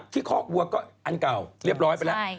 คอกวัวก็อันเก่าเรียบร้อยไปแล้ว